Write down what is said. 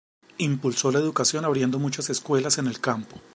Impulsó la educación, abriendo muchas escuelas en el campo.